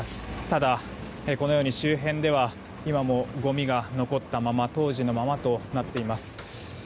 ただ、このように周辺では今もごみが残ったまま当時のままとなっています。